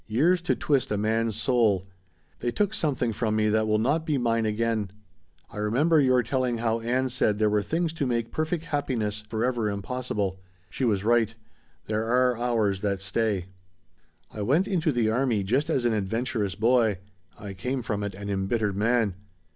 Years to twist a man's soul. They took something from me that will not be mine again. I remember your telling how Ann said there were things to make perfect happiness forever impossible. She was right. There are hours that stay. "I went into the army just an adventurous boy. I came from it an embittered man.